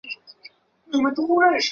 此火山与冒纳罗亚火山相邻。